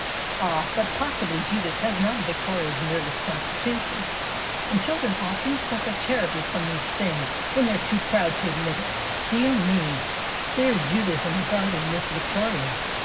"Ah, but possibly Judith has not Victoria's nervous constitution, and children often suffer terribly from these things when they are too proud to admit it. Dear me, there is Judith in the garden with Victoria.